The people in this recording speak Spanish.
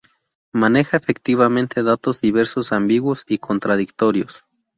Maneja efectivamente datos diversos, ambiguos y contradictorios.